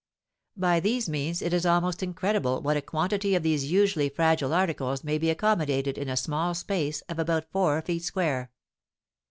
By these means it is almost incredible what a quantity of these usually fragile articles may be accommodated in a small space of about four feet square.